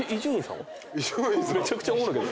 めちゃくちゃおもろいけど。